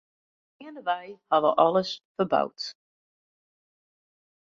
Geandewei ha we alles ferboud.